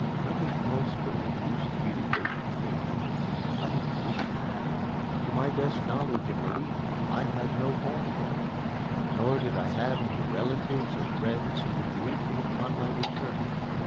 Nothing else would have induced me to go to New Haven. I did not wish to go. To my best knowledge and belief, I had no home there, nor did I have any relatives or friends who would greet me upon my return.